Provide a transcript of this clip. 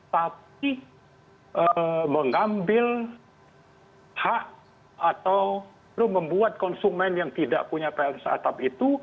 tapi mengambil hak atau membuat konsumen yang tidak punya pltus atap itu